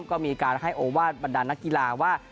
ก็มีการให้โอวาสบรรดานักกีฬาว่า